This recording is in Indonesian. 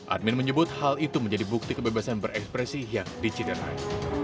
admin menyebut hal itu menjadi bukti kebebasan berekspresi yang dicederai